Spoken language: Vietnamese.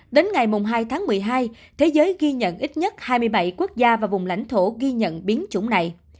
đến ngày hai tháng một mươi hai thế giới ghi nhận ít nhất hai mươi bảy quốc gia và vùng lãnh thổ ghi nhận biến chủng này